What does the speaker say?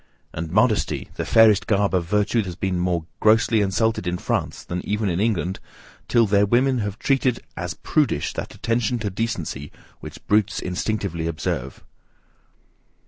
And, modesty, the fairest garb of virtue has been more grossly insulted in France than even in England, till their women have treated as PRUDISH that attention to decency which brutes instinctively observe.